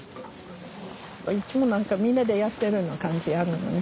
いっつも何かみんなでやってるの感じあるのね。